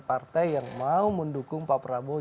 partai yang mau mendukung pak prabowo